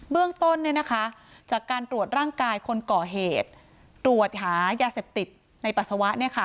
เรื่องต้นจากการตรวจร่างกายคนก่อเหตุตรวจหายาเสพติดในปัสสาวะ